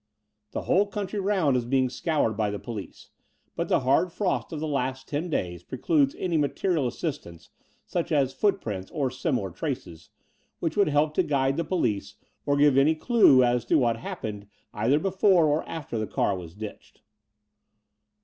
The whole country round is being scoured by the police : but the hard frost of the last ten days pre cludes any material assistance such as footprints or similar traces, which would help to guide the police or give any clue as to what happened either before pr after the car was ditched.